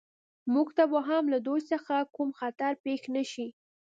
موږ ته به هم له دوی څخه کوم خطر پېښ نه شي